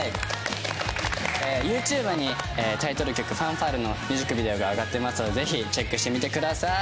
ＹｏｕＴｕｂｅにタイトル曲『ＦＡＮＦＡＲＥ』のミュージックビデオが上がってますのでぜひチェックしてみてください。